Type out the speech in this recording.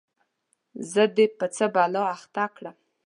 زه دي په څه بلا اخته کړم ؟